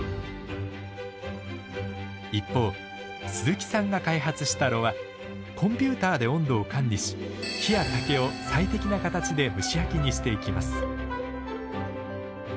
一方鈴木さんが開発した炉はコンピューターで温度を管理し木や竹を最適な形で蒸し焼きにしていきます。